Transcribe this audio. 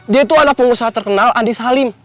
dia tuh anak pengusaha terkenal andis halim